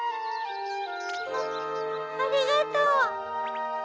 ありがとう！